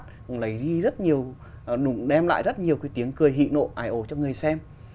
cũng lấy đi rất nhiều đem lại rất nhiều cái tiếng cười hị nộ ải ổ cho người xem